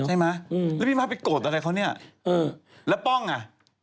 ใช่มั้ยแล้วพี่มาฝิกโก๊กอะไรเค้าเนี่ยแล้วป้องละ